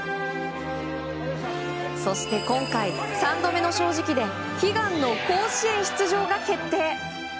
そして今回、三度目の正直で悲願の甲子園出場が決定。